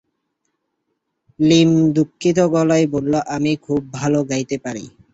লীম দুঃখিত গলায় বলল, আমি খুব ভালো গাইতে পারি।